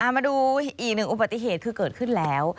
มาดูอีกหนึ่งอุบัติเหตุคือเกิดขึ้นแล้ว